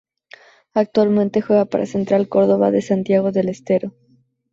Actualmente juega para Central Córdoba de Santiago del Estero